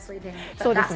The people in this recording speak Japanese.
そうですね。